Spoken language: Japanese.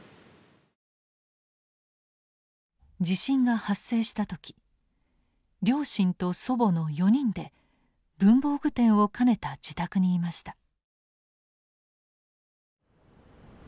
地震が発生した時両親と祖母の４人で文房具店を兼ねた自宅にいました。